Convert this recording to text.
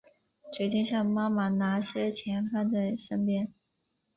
决定向妈妈拿些钱放在身边